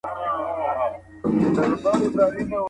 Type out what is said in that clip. څنګه ژوره ساه اخیستل ذهني فشار کابو کوي؟